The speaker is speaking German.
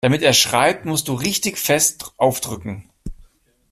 Damit er schreibt, musst du richtig fest aufdrücken.